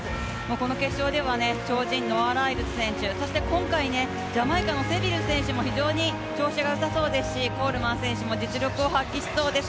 この決勝では超人ノア・ライルズ、選手、そして今回、ジャマイカのセビル選手も非常に調子がよさそうですしコールマン選手も実力を発揮しそうです。